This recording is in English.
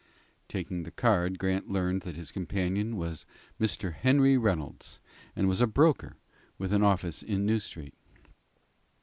Taking the card, Grant learned that his companion was Mr. Henry Reynolds and was a broker, with an office in New Street.